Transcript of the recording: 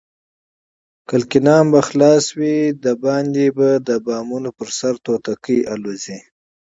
کړکۍ به خلاصې وي، بهر د بامونو پر سر به توتکیانې الوزي.